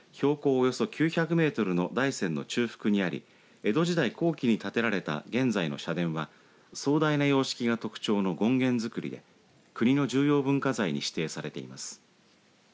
およそ９００メートルの大山の中腹にあり江戸時代後期に建てられた現在の社殿は壮大な様式が特徴の権現造で国の重要文化財に指定されています。